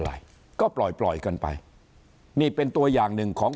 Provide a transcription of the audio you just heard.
เขาก็ไปร้องเรียน